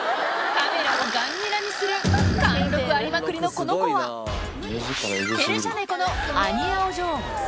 カメラをガンにらみする、貫禄ありまくりのこの子は、ペルシャ猫のアニヤお嬢。